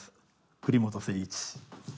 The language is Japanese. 栗本誠一」。